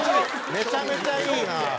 めちゃめちゃいいな。